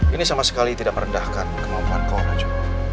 ini sama sekali tidak merendahkan kemampuan kau rajo